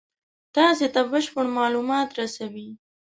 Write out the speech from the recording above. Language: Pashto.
تاسې ته بشپړ مالومات رسوي.